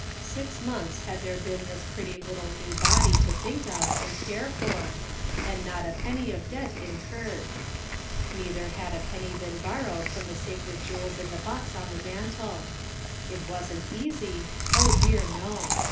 Six months had there been this pretty little new body to think of and care for, and not a penny of debt incurred. Neither had a penny been borrowed from the sacred jewels in the box on the mantel. It wasn't easy ; oh, dear, no !